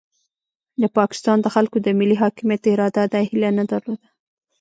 د پاکستان د خلکو د ملي حاکمیت اراده دا هیله نه درلوده.